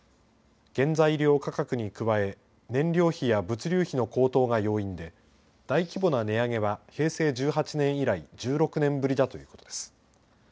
原材料価格に加え燃料費や物流費の高騰が要因で大規模な値上げは平成１８年以来、１６年ぶりだということです。